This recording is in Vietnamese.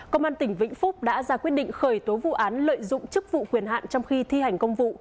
công an tỉnh vĩnh phúc đã ra quyết định khởi tố vụ án lợi dụng chức vụ quyền hạn trong khi thi hành công vụ